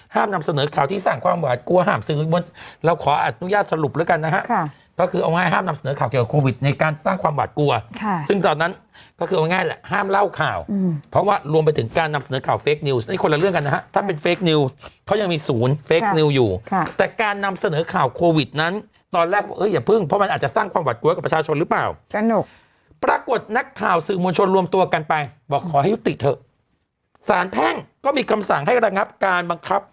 ห้ามนำเสนอข่าวที่สร้างความหวัดกลัวห้ามเสนอข่าวที่สร้างความหวัดกลัวห้ามเสนอข่าวที่สร้างความหวัดกลัวห้ามเสนอข่าวที่สร้างความหวัดกลัวห้ามเสนอข่าวที่สร้างความหวัดกลัวห้ามเสนอข่าวที่สร้างความหวัดกลัวห้ามเสนอข่าวที่สร้างความหวัดกลัวห้ามเสนอข่าวที่สร้างความหว